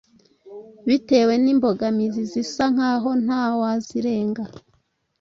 Bitewe n’imbogamizi zisa nk’aho nta wazirenga,